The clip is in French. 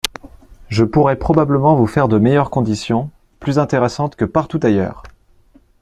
Je pourrai probablement vous faire de meilleures conditions, plus intéressantes que partout ailleurs.